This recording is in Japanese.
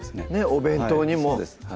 お弁当にもそうです